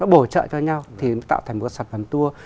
bổ trợ cho nhau thì tạo thành một sản phẩm tour